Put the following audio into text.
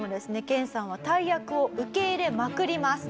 研さんは大役を受け入れまくります。